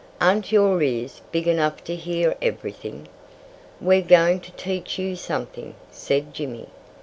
"Aren't your ears big enough to hear everything?" "We're going to teach you something," said Jimmy.